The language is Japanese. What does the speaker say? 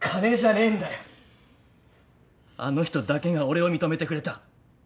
あの人だけが俺を認めてくれた。